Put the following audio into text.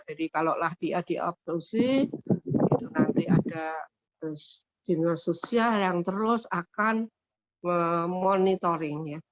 jadi kalau dia dioptosi nanti ada jurnal sosial yang terus akan memonitoring